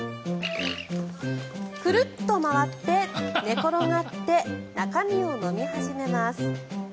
くるっと回って、寝転がって中身を飲み始めます。